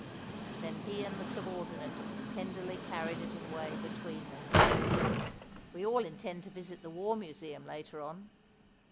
Then he and the subordinate tenderly carried it away between them. We all intend to visit the War Museum later on.